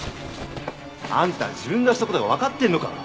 あんた自分がした事がわかってるのか？